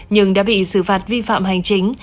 nhưng đã bị xử phạt vi phạm hành chính